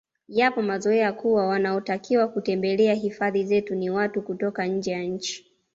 Yapo mazoea kuwa wanaotakiwa kutembelea hifadhi zetu ni watu kutoka nje ya nchi